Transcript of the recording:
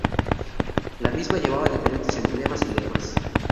La misma llevaba diferentes emblemas y lemas.